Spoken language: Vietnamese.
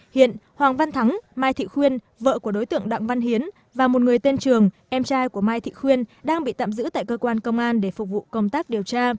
hiện hoàng văn thắng mai thị khuyên vợ của đối tượng đặng văn hiến và một người tên trường em trai của mai thị khuyên đang bị tạm giữ tại cơ quan công an để phục vụ công tác điều tra